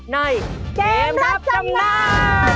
ในเกมรับจำนำ